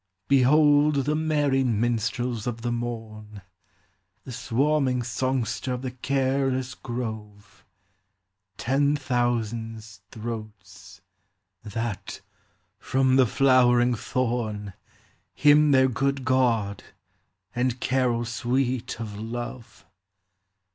44 Behold the merry minstrels of the morn, The swarming songster of the careless grove, Ten thousands throats ! that, from the flowering* thorn, Hymn their good God, and carol sweet of love.